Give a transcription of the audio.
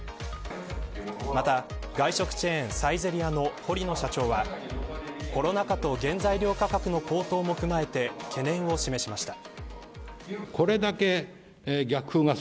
また外食チェーンサイゼリアの堀埜社長はコロナ禍と原材料価格の高騰も踏まえて懸念を示しました。